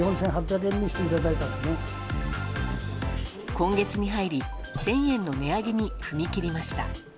今月に入り１０００円の値上げに踏み切りました。